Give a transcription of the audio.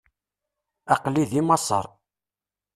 Aql-i di Maseṛ.